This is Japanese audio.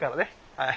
はい。